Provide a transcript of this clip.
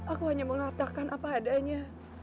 aku hanya mengatakan apa adanya